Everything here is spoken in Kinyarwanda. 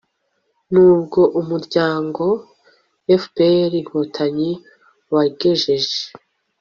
n'ubwo umuryango fpr-inkotanyi wagejeje